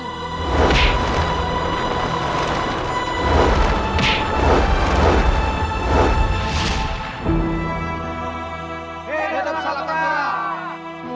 hidup salam kamra